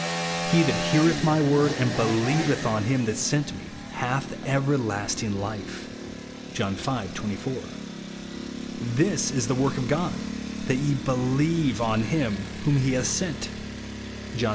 He that heareth my word, and believeth on him that sent me, hath everlasting life," (John V. 24^). " This is the work of God, that ye believe on him whom he hath sent," (John vi.